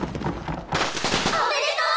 ・おめでとう！